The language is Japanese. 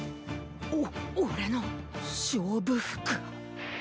お俺の勝負服